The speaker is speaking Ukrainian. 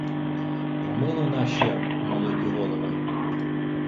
Помилуй наші молоді голови!